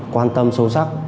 quan tâm sâu sắc